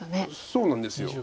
そうなんです。